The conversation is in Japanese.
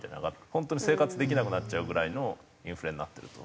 ホントに生活できなくなっちゃうぐらいのインフレになってると。